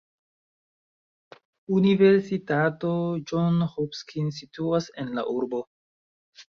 Universitato Johns Hopkins situas en la urbo.